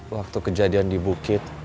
waktu kejadian di bukit